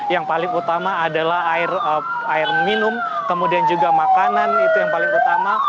yang paling utama adalah air minum kemudian juga makanan itu yang paling utama